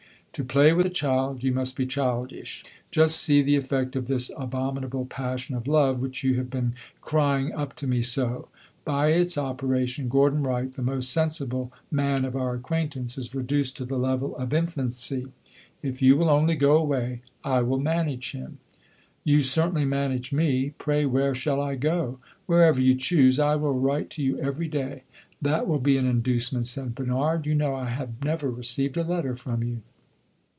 "To play with a child you must be childish. Just see the effect of this abominable passion of love, which you have been crying up to me so! By its operation Gordon Wright, the most sensible man of our acquaintance, is reduced to the level of infancy! If you will only go away, I will manage him." "You certainly manage me! Pray, where shall I go?" "Wherever you choose. I will write to you every day." "That will be an inducement," said Bernard. "You know I have never received a letter from you."